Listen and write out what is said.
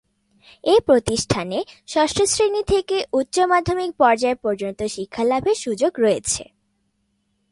এ প্রতিষ্ঠানে ষষ্ঠ শ্রেণী থেকে উচ্চ মাধ্যমিক পর্যায় পর্যন্ত শিক্ষালাভের সুযোগ রয়েছে।